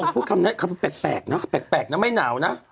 พูดคำนั้นคำแปลกไม่หนาวนะ